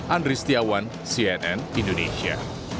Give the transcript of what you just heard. andri setiawan cnn indonesia